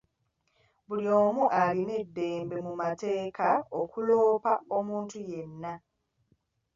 Buli omu alina eddembe mu mateeka okuloopa omuntu yenna.